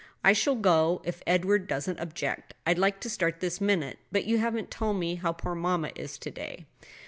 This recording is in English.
"I shall go, if Edward doesn't object. I'd like to start this minute. But you haven't told me how poor mamma is to day?"